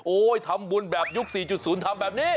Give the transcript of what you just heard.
ทำบุญแบบยุค๔๐ทำแบบนี้